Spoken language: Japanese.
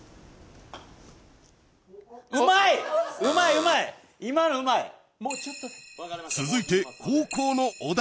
うまいうまいうまい今のうまい続いて後攻の小田